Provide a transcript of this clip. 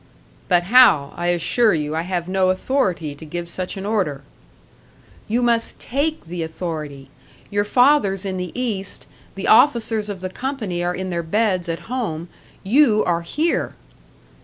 "But Hal, I assure you I have no authority to give such an order." "You must take the authority. Your father's in the East, the officers of the company are in their beds at home; you are here!"